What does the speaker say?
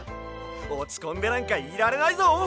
おちこんでなんかいられないぞ！